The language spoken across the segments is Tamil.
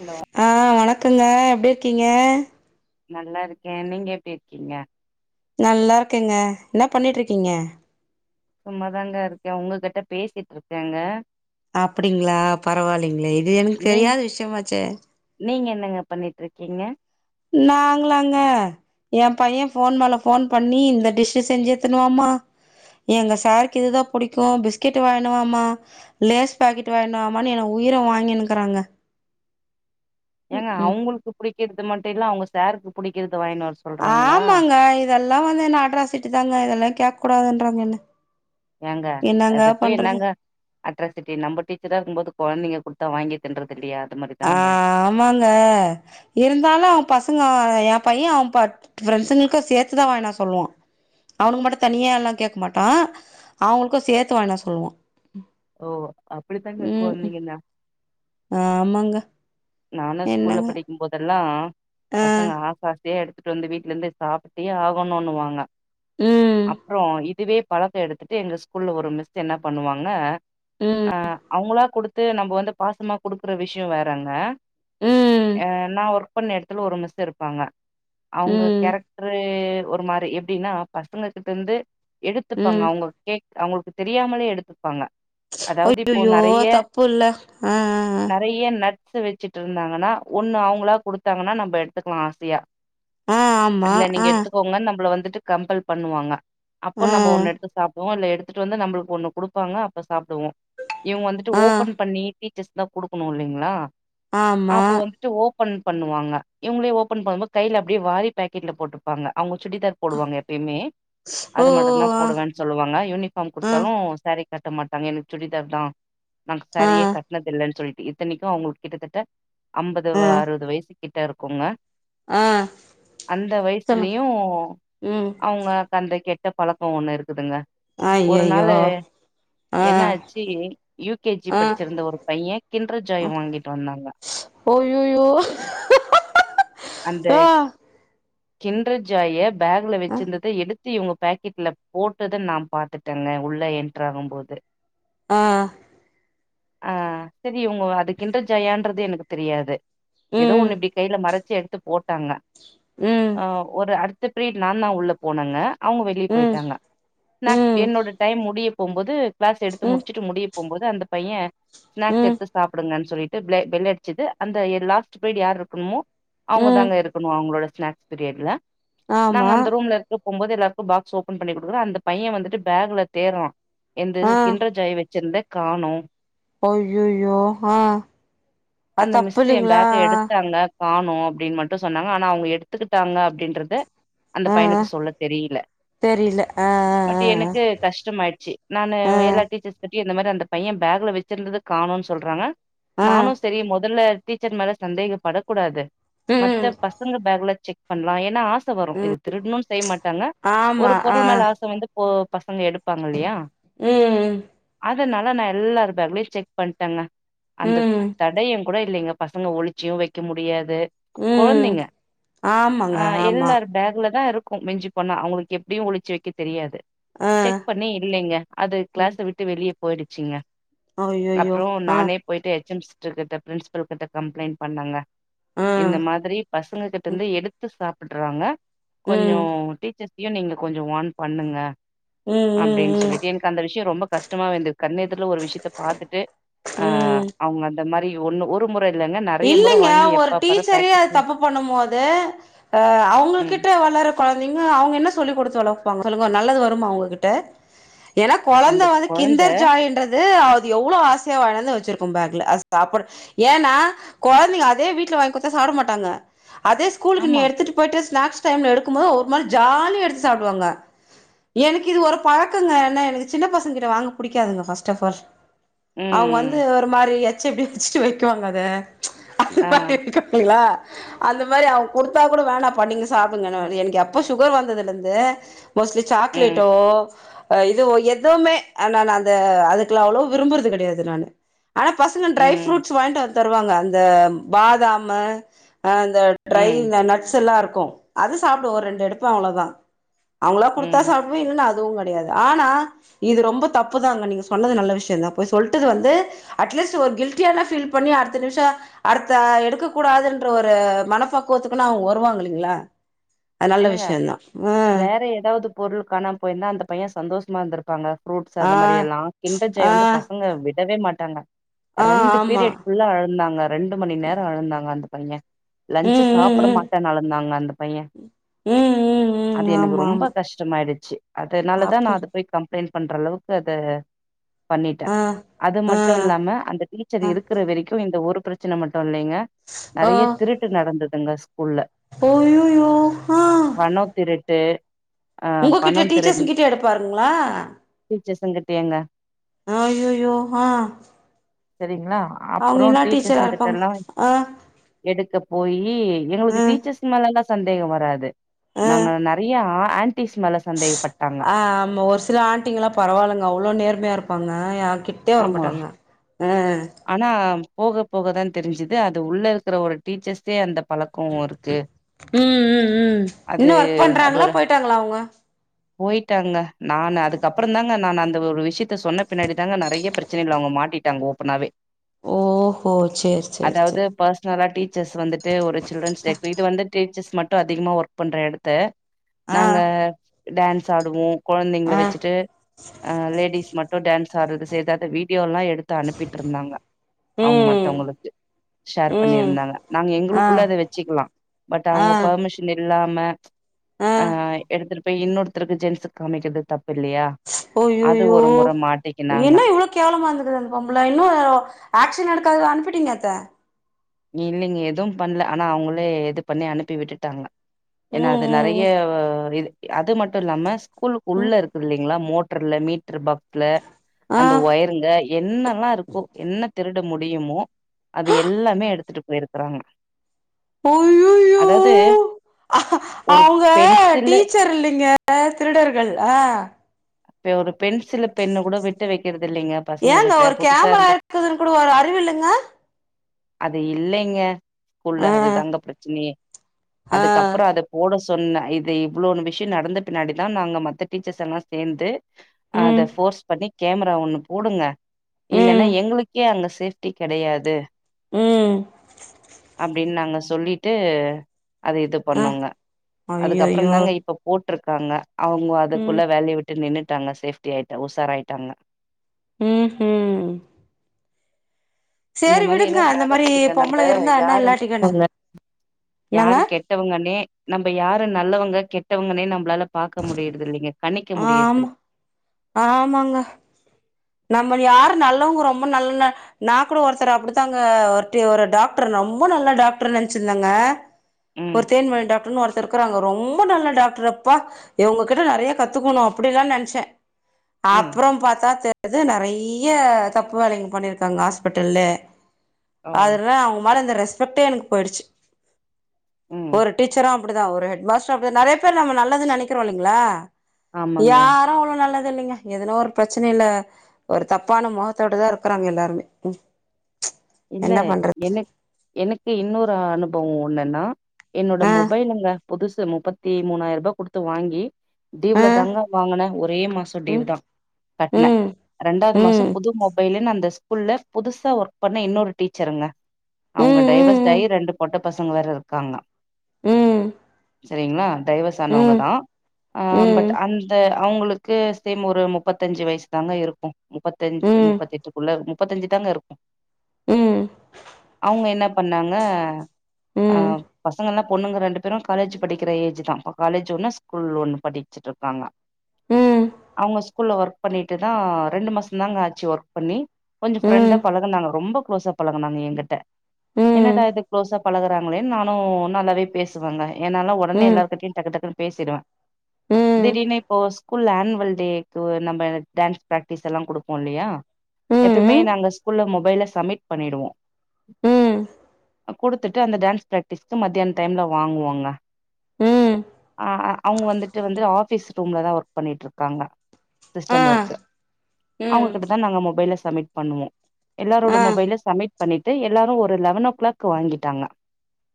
ஹலோ ஆ வணக்கங்க எப்டி இருக்கீங்க நல்லா இருக்கே நீங்க எப்டி இருக்கீங்க நல்லா இருக்கேங்க என்னா பண்ணிட்டுருக்கீங்க சும்மாதாங்க இருக்கே உங்ககிட்ட பேசிட்டு இருக்கேங்க அப்டிங்களா பரவாயில்லிங்களே இது எனக்கு நீங் தெரியாத விஷயமாச்சே நீங்க என்னங்க பண்ணிட்டு இருக்கீங்க நாங்களாங்க என் பைய போன் மேல போன் பண்ணி இந்த டிஷ்ஷ செஞ்சி எத்துனுவாமா எங்க சாருக்கு இதுதா புடிக்கு பிஸ்கட்டு வாங்கினுவாமா லேஸ் பாக்கெட்டு வாங்கினு வாமான்னு என்ன உயிர வாங்கினுக்கிறாங்க ஏங்க ம் அவங்களுக்கு புடிக்கிறது மட்டு இல்ல அவங்க சாருக்கு ப புடிக்கிறது வாங்கினு வர சொல்றாங்களா ஆமாங்க இதெல்லா வந்து என்னா அட்ராசிட்டி தாங்க இதெல்லா கேக்க கூடாதுன்றாங்க என்ன ஏங்க என்னங்க அத போய் பண்றது என்னாங்க அட்ராசிட்டி நம்ம டீச்சரா இருக்கும்போது கொழந்தைங்க குடுத்தா வாங்கி தின்றது இல்லியா அது மாதிரிதாங்க ஆமாங்க இருந்தாலு அவ பசங்க ஆ என் பையன் அவன் ப ஃப்ரெண்ட்ஸுங்களுக்கு சேத்துதா வாங்கினு வர சொல்லுவா அவனுங்க மட்டு தனியா எல்லா கேட்க மாட்டா அவுங்களுக்கு சேர்த்து வாங்கினு வர சொல்லுவா ஓ அப்டித்தாங்க கொழந்தைங்கனா ஆ ஆமாங்க நானு ஸ்கூல்ல என்னங்க படிக்கு போதெல்லா ஆ பசங்க ஆசையா அப்டியே எடுத்துட்டு வந்து வீட்டுல இருந்தே சாப்ட்டே ஆகணுனுவாங்க ம். அப்றோ இதுவே பழத்த எடுத்துட்டு எங்க ஸ்கூல்ல ஒரு மிஸ்ஸு என்ன பண்ணுவாங்க ம். ஆ அவங்களா குடுத் து நம்ம வந்து பாசமா குடுக்குற விஷயோ வேறங்க ம். என்னா வொர் ஒர்க்கு பண்ண எடத்துல ஒரு மிஸ்ஸு இருப்பாங்க அவுங்க ம். கேரக்டரு ஒரு மாரி எப்டின்னா பசங்க கிட்ட இருந்து எடுத்துப்பாங்க ம். அவங்க கேக் அவங்களுக்கு தெரியாமலே எடுத்துப்பாங்க அதாது இப்போ ஐயய்யோ! நறைய தப்புல்ல. ஆ நறைய நட் ஸ வச்சிட்டு இருந்தாங்கன்னா ஒன்னு அவங்களா குடுத்தாங்கன்னா நம் எடுத்துக்கலா ஆசயா ஆ இல்ல நீங்க ஆ. எடுத்துக்கோங்கன்னு நம்மள வந்துட்டு கம்பல் பண்ணுவாங்க அப்போ ஆ ஆமா. ஆ நம்ப ஒன்னு எடுத்து சாப்டுவோ இல்ல எடுத்துட்டு வந்து நம்மளுக்கு ஒன்னு குடுப்பாங்க அப்ப சாப்டுவோ இவங்க வந்துட்டு ஆ ஆ ஓபன் பண்ணி டீச்சர்ஸ்க்லா குடுக்குணு இல்லிங்களா ஆமா. அப்ப வந்து ட்டு ஓபன் பண்ணுவாங்க இவுங்களே ஓபன் பண்ணும்போது கையில அப்டியே வாரி பாக்கெட்ல போட்டுப்பாங்க அவங்க சுடிதார் போடுவாங்க எப்பயிமே ஓ! அது மட்டுந்தா ஆ போடுவேனு சொல்லுவாங்க யூனிஃபார்ம் குடுத்தாலு ஆ சேரி கட்ட மாட்டாங்க எனக்கு சுடிதார் தா நா சேரியே கட்டினது இல்லனு சொல்லிட்டு இத்தனைக்கு அவங்களுக்கு கிட்டத்தட்ட ஐம்பது ஆ அறுபது வயசு கிட்ட இருக்குங்க ஆ ஆ அந்த சொல்லுங்க. வயசுலியு ம். அவங்க அந்த கெட்ட பழக்கோ ஒன்னு இருக்குதுங்க அய்யயோ என்னாச்சி யூ கே ஜி ஆ படிச்சிருந்த ஒரு பையே கிண்ர ஜாய் வாங்கிரு அய்யயோ ஆ கிண்ர ஜாய பேக்ல அ வச்சிருந்தத எடு த்து இவங்க பேக்கெட்ல போட்டத நா பாத்துட்டுந்தே உள்ள என்ட்ர் ஆகும் போது ஆ ஆ செரி இவங்கோ அது கிண்ர ஜாயன்றது எனக்கு தெரியாது ஏதோ ம் ஒண்ணு இப்டி கைல மறச்சி எடுத்து போட்டாங்க ம் ஆ ஒரு அடுத்து ப்ரீட் நாந்தா உள்ள போனங்க அவங்க வெளிய ம் போயிட்டாங்க ஸ்நாக்ஸ்க் ம் என்னோட டைம் முடிய போம்போது கிளாஸ் எடுத்து ம் முடிச்சுட்டு முடிய போம்போது அந்த பையே ஸ்நாக்ஸ் ம் எடுத்து சாப்டுங்கானு சொல்லிட்டு பிலே பெல் அடிச்சது அந்த எ லாஸ்ட் பிரீட் யார் இருக்கணுமோ அவங்க ம் தாங்க இருக்கணு அவங்களோட ஸ்நாக்ஸ் பீரியட்ல நாங்க ஆமா அந்த ரூம்ல இருக்க போம்போது எல்லாருக்கு பாக்ஸ் ஓபன் பண்ணி குடுக்குறோ அந்த பைய வந்துட்டு பேகுல தேடுறா எந்து ஆ கிண்ர ஜாய வச்சிருந்தே காணோ அய்யயோ ஆ அது அந்த தப்பு மிஸ்ஸு ஏ இல்லைங்களா பேக்க ஆ எடுத்தாங்க காணோ அப்டின் மட்டு சொன்னாங்க ஆனா அவங்க எடுத்துக்கிட்டாங்க அப்டின்றத அந்த ஆ பையனுக்கு சொல்ல தெரியல தெரில ஆ பட் ஆ எனக்கு கஷ்டமாயிடுச்சி நானு ஆ எல்லா டீச்சர்ஸ்கிட்டயு இந்த மாரி அந்த பைய பேகுல வச்சிருந்தத காணோன் சொல்றாங்க ஆ ஆ நானுஸ் மொதல்ல டீச்சர் மேல சந்தேகப்படக்கூடாது ம் மத்த பசங்க பேக்ல செக் பண்லா ஏனாஸ் ச வரு இது திருட்னுன் செய்ய மாட்டாங்க ஆமா ஒரு ஆ பொருள் மேல ஆச வந்து போ பசங்க எடுப் பாங்கல்லையா ம் அதுனால நா எல்லார் பேக்லையு செக் பண்டங்க அந்த ம் தடையொங்கூட இல்லைங்க பசங்க ஒளிச்சியு வைக்க முடியாது ம் கொழந்தைங்க ஆமாங்க ஆ ஆமா எல்லார் பேக்லதா இருக்கு மிஞ்சி பண்ணா அவங்களுக்கு எப்டியு ஒழிச்சி வைக்க தெரியாது ஆ செக் பண்ண இல்லைங்க அது கிளாஸ ம் விட்டு வெளிய போயிடுச்சிங்க ஐய்யய்யோ அப்றோ ஆ நானே போயிட்டு எச் எம்ஸ் ட்ருகிட்ட பிரின்ஸிபல் கிட்ட கம்ப்ளைண்ட் பண்ணங்க ஆ இந்த மாதிரி பசங்க கிட்டருந்து எடுத்து சாப்புட்றாங்க ம் கொஞ்சோ டீச் சர்ஸயு நீங்க கொஞ்சோ வார்ன் பண்ணுங்க ம் அப்டின் ம் சொல்லிட்டு ம் எனக்கு அந்த விஷயோ ரொம்ப கஷ்டமாவே இருந்தது கண்ணெதுர்ல ஒரு விஷயத்த பாத்துட்டு ம் அவங்கந் இல்லங்க வாங்கி ஒரு எப்ப பாரு டீச்சரையே அது பாக்கெட்ல தப்பு பண்ணும் போது ஆ அவங்கள் ம் கிட்ட வளர கொழந்தைங்க அவங்க என்ன சொல்லிக் குடுத்து வளப்பாங்க சொல்லுங்கோ நல்லது வருமா அவங்ககிட்ட ஏனா கொழந்த அந்த வந்து கொழந்த கிண்டர் ஜாயின்றது ஆ எவ்ளோ ஆசையா வாய்ட்டு வந்து வச்சிருக்கு பேக்ல அது சாப்புட ஏனா கொழந்தைங்க அதே வீட்ல வாங்கி குடுத்தா சாப்ட மாட்டாங்க அதே ஸ்கூலுக்கு நீ ஆமா எடுத்துட்டு போய்ட்டு ஸ்நாக்ஸ் டைம்ல எடுக்கும்போது ஒரு மாரி ஜாலியா எடுத்து சாப்டுவாங்க எனக்கு இது ஒரு பழக்கொங்க ஏனா எனக்கு சின்ன பசங்க கிட்ட வாங்க புடிக்காதுங்க ஃபர்ஸ்ட் அஃப் ஆல் ம் அவங்க வந்து ஒரு மாரி எச்ச இப்டி வச்சிட்டு வைக்குவாங்க அத அது ஆ பாத்து [unintelligible] அந்த மாரி அவங்க குடுத்தா கூட வேணாம்பா நீங்க சாப்டுங்கனு எனக்கு எப்போ சுகர் வந்ததுலர்ந்து மோஸ்ட்லி ம் சாக்லேட்டோ அ இதுவோ எதுவுமே ஆனஆ நான் அந்த அதுக்குலா அவுளோவு விரும்புறுது கெடையாது நானு ஆனா பசங்க ட்ரை ம் ஃப்ரூட்ஸ் வாய்ங்ட்டு வந்து தருவாங்க அந்த பாதாமு அ அந்த ட்ரை ம் இந்த நட்ஸெல்லா இருக்கு அது சாப்டுவ ஒரு ரெண்டு எடுப்ப அவ்ளோதா அவுங்ளா குடுத்தா ம் சாப்டுவே இல்லன்னா அதுவு கெடையாது ஆனா இது ரொம்ப தப்புதாங்க நீங்க சொன்னது நல்ல விஷ்யந்தா போய் சொல்ட்டது வந்து அட்லீஸ்ட் ஒரு கில்ட்டியான ஃபீல் பண்ணி அடுத்த நிம்ஷோ அடுத்த எடுக்க கூடாதுன்ற ஒரு மனபக்குவத்துக்குன்னு அவ்ங்க வருவாங்க இல்லீங்ளா அது நல்ல விஷ்யந்தா ம இல்வ எதாவது பொருள் காணாம் போய்ர்ந்தா அந்த பையன் சந்தோஷ்மா இர்ந்திரு ப்பாங்க ஃப்ரூட்ஸ் ஆ அந்த மாரி எல்லா கிண்டர் ஜாய ஆ ஆ வந்து பசங்க விடவே மாட்டாங்க ஆ ரெண்டு ஆமா பீரியட் ஃபுல்ல அழுந்தாங்க ரெண்டு மணி நேரோ அழுந்தாங்க அந்த பையன் லன்ச்சு ம் சாப்புட ம் மாட்டன் அழுந்தாங்க அந்த பையன் ம் ம் அது ம் எனக்கு ஆமா ரொம்ப ஆமா கஷ்டமாய்டுச்சு அதுனாலதான் அப்டி நான் அது போய் கம்ப்ளைண்ட் பண்ற அளவுக்கு அது பண்ணிட்ட ஆ அது ஆ மட்டு இல்லாம அந்த டீச்சர் ஆ இருக்கிற வரைக்கு இந்த ஒரு பிரச் சின மட்டும் இல்லைங்க ஓ நெறைய திருட்டு நடந்ததுங்க ஸ்கூல்ல ஐயயோ அ பணோ திருட்டு ஆ பணோ உங்ககிட்ட திருடு டீச்சர்ஸ்ங்கிட்ட எடுப்பாருங்ளா டீச்சர்ஸுங்கிட்டயேங்க ஆ ஐயயோ ஆ சரிங்ளா அவங்க அப்புறோ என்ன டீச்சரா டீச்சர்ஸ்ங் இருப்பாங்க கிட்டலா ஆ எடுக்க போயி எங்களுக்கு ம் ம் டீச்சர்ஸ் மேலலா சந்தேகோ வராது நாங்க நெறையா ஆன்டிஸ் மேலஸ் ஆ ஆமா ஒரு சில ஆண்டிங்குளா பரவாயில்லங்க அவ்ளோ நேர்மையா இருப்பாங்க யார் கிட் டே ஆமா வரமாட்டாங்க ஆ ஆனா போக போகதான் தெரிஞ்சுது அது உள்ள இருக்கிற ஒரு டீச்சர்ஸே அந்த பழக்கோ இருக்கு ம் ம் ம் அது இன்னு ஒர்க் பண்றாங்களா அதோட போயிட்டாங்களா அவங்க போய்ட்டாங்க நானு அதுக்கப்புறந்தாங்க நான் அந்த ஒரு விஷ்யத்த சொன்ன பின்னாடி தாங்க நெறைய பிர ச்சனைல அவ்ங்க மாட்டிட்டாங்க ஓப்பனாவே ஓ ஹோ சேர் அதாவ்து பர்ஸ்னலா டீச்சர்ஸ் வந்துட்டு ஒரு சில்ரன்ஸ்ட்ட இப்ப இது வந்து டீச்சர்ஸ் மட்டு அதிகமா ஒர்க் பண்ற எடத்த ஆ நாங்க டான்ஸ் ஆடுவோ கொழந்தைங்ள ஆ வச்சுட்டு ஆ லேடிஸ் மட்டு டான்ஸ் ஆடுறது செய்றது அத வீடியோலா எடுத்தா ட்ருந்தாங்க அவ்ங்க ம் மத்தவங்ளுக்கு ஷேர் ம் பண்ணிருந்தாங்க நாங்க ஆ எங்களுக்குள்ள அத வச்சுக்குலா பட் ஆ அவ்ங்க பர்மிஷ் ஷின் இல்லாம ஆ எடுத்துட்டு போய் இன்னொருத்தருக்கு ஜென்ஸுக் காமிக்கற்து தப்பில்லையா ஐயயோ என்ன இவ்ளோ கேவலமா இருந்துக்குது அந்த பொம்புல இன்னு ஆக்ஷன் எடுக்காதா அனுப்பிட்டீங்க அத இல்லைங்க எதும் பண்ல ஆனா அவுங்குளே இது பண்ணி அனுப்பி விட்டுட்டாங்க ஏனா ம் அது நெறைய ம் இது அது மட்டு இல்லாம ஸ்கூலுக்கு உள்ள ம் இருக்குது இல்லலைங்ளா மோ ட்ருல மீட்ரு பாக்ஸ்ல ஆ அந்த ஒயர் ங்க என்னல்லா இருக்கோ என்ன திருட முடியுமோ அது எல்லாமே எடு த்துட்டு போயிருக்கிறாங்க ஐயய்யோ ஒரு அவங்க பென்சிலு டீச்சர் இல்லைங்க திருடர்கள் ஆ இப்ப ஒரு பென்சில் பெண்ணு கூட விட்டு வைக்கிறது இல்லைங்க பசங்க ஏங்க கிட்ட ஒரு புதுசா கேமரா இருந்து இருக்குதுன்னு கூட ஒரு அறிவு இல்லைங்க அது இல்லைங்க ஸ்கூல்ல ஆ அது தாங்க பிரச்சனையே ஆ அதுக்கப்பறோ அத போட சொன்னே இது இவ்ளோ ஒன்னு விஷய நடந்த பின்னாடிதா நாங்க மத்த டீச்சர்ஸ் எல்லா சேர்ந்து ம் அத போர்ஸ் பண்ணி கேமரா ஒன்னு போடுங்க இல்லைன்னா ம் எங்களுக்கே அங்க சேஃப்டி கிடையாது ம் அப்டின்னு நாங்க சொல்லிட்டு அது இது ஆ பண்ணோங்க அதுக்கப்பற அய்யய்யோ தாங்க இப்ப போட்டிருக்காங்க அவங்க ம் அதுக்குள்ள வேலைய விட்டு நின்னுட்டாங்க சேஃப்டி ஆயிட்டா உசார ஆயிட்டாங்க ம் ம் இந்த சேரி மாறி விடுங்க எல்லா அந்த மாரி நடக்குதுங்க பொம்பள நம்ம இருந்தா என்ன யாருன் இல்லாட்டிக்கென்ன என்னங்க யாரே கெட் வங்கே நம்ம யாரும் நல்லவங்க கெட்டவங்கே நம்மளால பாக்க முடியுறது இல்லைங்க கணிக்க ஆமா முடியுறதில்ல ஆமாங்க நம்ம யாரு நல்லவங்க ரொம்ப நல்ல நா கூட ஒருத்தர் அப்டித்தாங்க ஒரு ஒரு டாக்டர் ரொம்ப நல்ல டாக்டர் நினைச்சிருந்தங்க ம் ஒரு தேன்மொழி டாக்டர்னு ஒருத்தர் இருக்கிறாங்க ரொம்ப நல்ல டாக்டர் அப்பா இவங்ககிட்ட நெறைய கத்துக்கணு அப்படில்லா நினைச்சே ம் அப்பற பாத்தா தெரிது நெறைய தப்பு வேலைங்க பண்ணிருக்காங்க ஹாஸ்பிட்டல்ல ஓ அது அவங்க மேல இந்த ரெஸ்பெக்டே எனக்கு போயிடுச்சு ம் ஒரு டீச்சர அப்டி தா ஒரு ஹெட் மாஸ்டார நெறைய பேர் நம நல்லது நினைக்கிறோ இல்லங்களா ஆமாங்க யாரு அவ்ளவு நல்லது தெர்லங்க இல்லைங்க எதுன ஒரு பிரச்சனைல்ல ஒரு தப்பான முகத்தோட தா இருக்குறாங்க எல்லாருமே ம் இல்ல என்ன பண்றது என எனக்கு இன்னொரு அனுபவ ஒன்னு என்னான என்னோட ஆ மொபைல் அங்க புதுசு முப்பத்தி மூணாயிர ரூபாய் கொடுத்து வாங்கி ஆ டீவுல தங்கா வாங்குனே ஒரே மாச ம் டீவு தா கட்டுனே ம் ரெண்டாவது மாசம் ம் புது மொபைலன்னு அந்த ஸ்கூல்ல புதுசா ஒரு பண்ண இன்னொரு டிஸ் ச்சுருங்க ம் அவங்க ம் டைவர்ஸ்டயி ரெண்டு பொட்ட பசங்க வேற இருக்காங்க ம் ம் செரிங்களா டயர்வசானவங்க ம் தா ஆ பட் ம் அந்த அவங்களுக்கு சேம் ஒரு முப்பத்தஞ்சு வயசு தாங்க இருக்கு முப்பத்தஞ்சு ம் முப்பத் எட்டுக்குள்ளே முப்பத்தஞ்சு தாங்க இருக்கு ம் அவங்க என்ன பண்ணாங்க ஆ ம் பசங்கல்லா பொண்ணுங்க ரெண்டு அப்பற காலேஜ் படிக்கிற ஏஜ் தா இப்ப காலேஜ் ஒன்னு ஸ்கூல் ஒன்னு படிச்சுட்டு இருக்காங்க ம் அவங்க ஸ்கூல்ல ஒர்க் பண்ணிட்டு தா ரெண்டு மாசம் தாங்க ஆச்சு ஒர்க் பண்ணி கொஞ்சோ ம் ஃப்ரெண்டா பழகுனாங்க ரொம்ப குளோஸ் ஆ பழகுனாங்க என்கிட்ட என்னடா இது குளோஸா பழகுற நானு நல்லாவே பேசுவாங்க என்னால உடனே எல்லாரு கிட்டயு டக்கு டக்குன்னு பேசிடுவே திடீர்னு இப்போ ஸ்கூல் ஆனுவல் டேக்கு நம்ம டான்ஸ் பிராக்டிஸ் எல்லா கொடுப்போ இல்லையா ம் எப்பயுமே ம் நாங்க ஸ்கூல்ல மொபைல சமிட் பண்ணிடுவோ ம் குடுத்துட்டு அந்த டான்ஸ் பிராக்டிஸ்க்கு மத்தியானோ டைம்ல வாங்குவாங்க ம் ஆ அ அவங்க வந்துட்டு வந்துட்டு ஆஃபீஸ் ரூம்ல தா ஒர்க் பண்ணிட்ருக்காங்க ஆ சிஸ்டம் ஒர்க்கு ம் அவுங்ககிட்டதா நாங்க மொபைல சம்மிட் பண்ணுவோ எல்லாரோட ஆ மொபைல சம்மிட் பண்ணிட்டு எல்லாரோ ஒரு லெவனோ கிளாக் வாங்கிட்டாங்க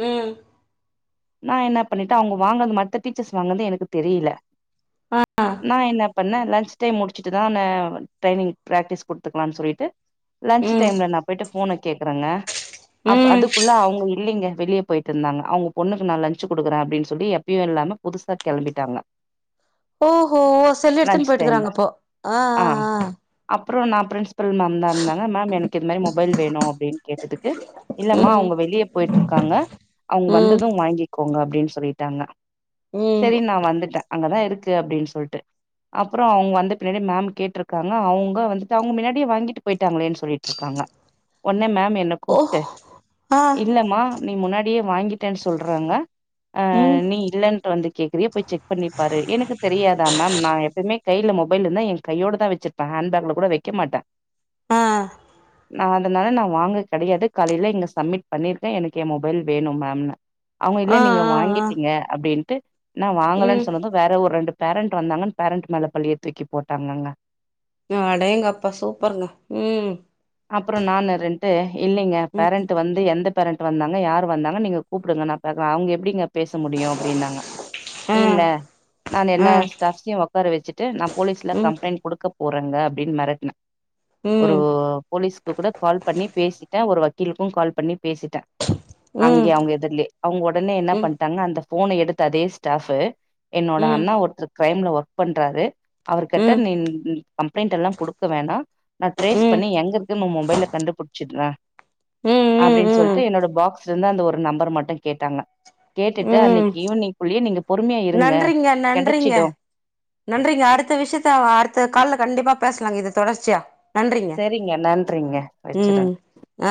ம் நா என்ன பண்ணிட்ட அவுங்க வாங்கனது மத்த டீச்சர்ஸ் வாங்குனது எனக்கு தெரியுல ஆ நா என்னப் பண்ணே லன்ச் டைம் முடிச்சுட்டுதா நா ட்ரைனிங் பிராக்டிஸ் குடுத்துக்கலான்னு சொல்லிட்டு லன்ச் ம் டைம்ல நா போயிட்டு ஃபோன கேக்குறேங்க அப் ம் அதுக்குள்ள அவுங்க இல்லீங்க வெளியே போயிட்டு இருந்தாங்க அவுங்க பொண்ணுக்கு நா லஞ்சு குடுக்குறே அப்டீன்னு சொல்லி எப்பயு இல்லாம புதுசா கெளம்பிட்டாங்க ஓஹோ ஓ செல்ல எடுத்துன்னு லன்ச் டைம்ல போயிட்டுக்குறாங்கப்ப ஆ ஆ ஆ அப்புறோ நா பிரின்ஸுபுல் மேம் தா இருந்தாங்க மேம் எனக்கு இது மாரி மொபைல் வேணோ அப்டீன்னு கேட்டதுக்கு ஆ இல்லம்மா ம் அவுங்க வெளிய போயிட்ருக்காங்க அவுங்க ம் வந்ததோ வாங்கிக்கோங்க அப்டீன்னு சொல்லிட்டாங்க ம் செரி நா வந்துட்டே அங்கதா இருக்கு அப்டீன்னு சொல்ட்டு அப்புறோ அவுங்க வந்த பின்னாடி மேம் கேட்ருக்காங்க அவுங்க வந்துட்டு அவுங்க மின்னாடியே வாங்கிட்டு போயிட் டாங்களேனு சொல்லிட்டு இருக்காங்க ஒன்னே மேம் என்ன ஓ கூப்ட்டு ஆ இல்லமா நீ முன்னாடியே வாங்கிட்டேன்னு சொல்றாங்க ஆ ம் நீ இல்லன்ட்டு வந்து கேக்றுயே போய் செக் பண்ணிப்பாரு எனக்கு தெரியாதா மேம் நா எப்பயமே கைல மொபைல் இருந்தா எ கையோட தா வெச்சிருப்பே ஹண் பேக்ல கூட வெக்க மாட்டே ஆ நா அதனால நா வாங்க கெடையாது காலையில இங்க சப்மிட் பண்ணிருக்கே எனக்கு எ மொபைல் வேணு மேம்னே அவங்க ஆ இல்ல நீங்க ஆ ஆ வாங்கிட்டீங்க அப்டின்ட்டு நா வாங்கலன்னு ம் சொன்னது வேற ஒரு ரெண்டு பேரண்ட்டு வந்தாங்கன்னு பேரண்ட் மேல பழிய தூக்கி போட்டாங்கங்க அடேங்கப்பா சூப்பருங்க ம் அப்புறோ நா ரெண்டு இல்லீங்க ம் பேரண்ட் டு வந்து எந்த பேரண்ட் வந்தாங்க யார் வந்தாங்க நீங்க கூப்புடுங்க நா பாக்ற அவுங்க எப்டிங்க பேச முடியு அப்டீன்னாங்க ஆ இல்ல நா ஆ எல்லா ஸ்டாஃப்ஸையு ஒக்கார வெச்சுட்டு நா போலீஸ்ல ம் கம்ப்ளைண்ட் குடுக்கப் போறங்க அப்டீன்னு மெறட்னே ஒரு ம் போலீஸ்க்கு கூட கால் பண்ணி பேசிட்டே ஒரு வக்கீலுக்கு கால் பண்ணி பேசிட்டே ம் அங்கேயே அவுங்க எதுர்லயே அவுங்க ஒடனே என்னா ம் ம் பண்ட்டாங்க அந்த ஃபோன எடுத்த அதே ஸ்டாஃபு என்னோட ம் அண்ணா ஒருத்தர் கிரைம்ல ஒர்க் பண்றாரு அவர்கிட்ட ம் நீ கம்ப்ளைண்டெல்லா குடுக்க வேண்டா நா ட்ரேஸ் பண்ணி எங்க இருக்கு உ மொபைல்ல கண்டுபுச்சுட்றே ம் ம் அப்டீன்னு ம் சொல்ட்டு என்னோட பாக்ஸ்ல இருந்து அந்த ஒரு நம்பர் மட்டு கேட்டாங்க கேட்டுட் டு ம் அன்னைக்கி ஈவினி்ங்குள்ளயே நீங்க பொறுமையா இருங்க நன்றிங்க நன்றிங்க கெடைச்சிடோ நன்றிங்க அடுத்த விஷ்யத்த அடுத்த கால்ல கண்டிப்பா பேசலாங்க இது தொடர்ச்சியா நன்றிங்க செரிங்க நன்றிங்க ம் வெச்சிருங்க ஆ